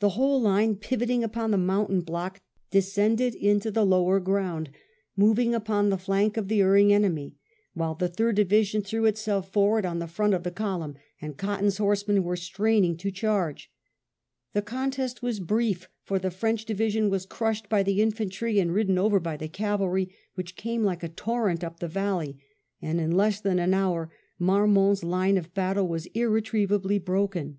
The whole line, pivoting upon the mountain block, descended into the lower teS WELLINGTON chaf. groundy nundng upon die flank of die erring enemy, while the Third Division direw itself forward on the front of the eolmnn, and Cotton's horsemen were straining to charge The contest was brie^ for the French division was crushed by the infantry and ridden over by the cavalry which' came like a torrent up the valley, and in less than an hour Marmonfs line of battle was irre trievably broken.